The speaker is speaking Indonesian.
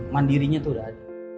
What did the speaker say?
mandirinya itu sudah ada